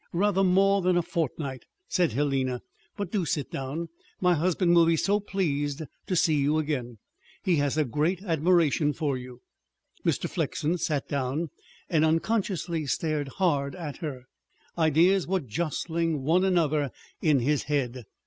"Rather more than a fortnight." said Helena. "But do sit down. My husband will be so pleased to see you again. He has a great admiration for you." Mr. Flexen sat down and unconsciously stared hard at her. Ideas were jostling one another in his head.